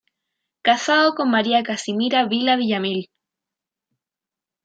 Casado con María Casimira Vila Villamil.